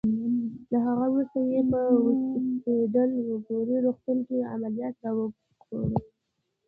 له هغه وروسته یې په اوسپیډل مګوري روغتون کې عملیات راوکړل.